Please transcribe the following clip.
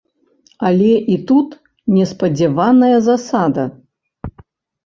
Але і тут неспадзяваная засада.